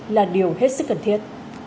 là điều hết sức cần thiết